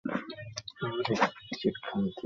মানে, মিথ্যা বলাতে ওস্তাদ।